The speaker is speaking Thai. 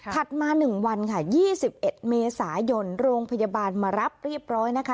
มา๑วันค่ะ๒๑เมษายนโรงพยาบาลมารับเรียบร้อยนะคะ